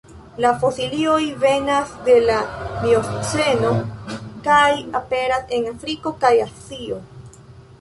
La fosilioj venas de la mioceno kaj aperas en Afriko kaj Azio.